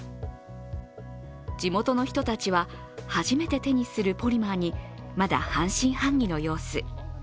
地元の人たちは初めて手にするポリマーに、まだ半信半疑の様子。